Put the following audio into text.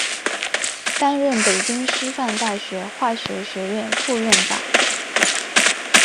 担任北京师范大学化学学院副院长。